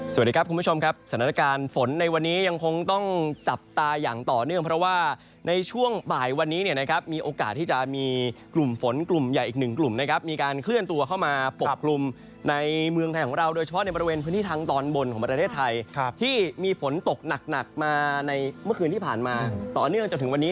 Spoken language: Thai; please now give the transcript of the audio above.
สวัสดีครับคุณผู้ชมครับสถานการณ์ฝนในวันนี้ยังคงต้องจับตาอย่างต่อเนื่องเพราะว่าในช่วงบ่ายวันนี้เนี่ยนะครับมีโอกาสที่จะมีกลุ่มฝนกลุ่มใหญ่อีกหนึ่งกลุ่มนะครับมีการเคลื่อนตัวเข้ามาปกคลุมในเมืองไทยของเราโดยเฉพาะในบริเวณพื้นที่ทางตอนบนของประเทศไทยที่มีฝนตกหนักมาในเมื่อคืนที่ผ่านมาต่อเนื่องจนถึงวันนี้